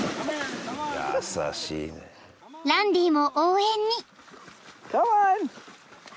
［ランディも応援に］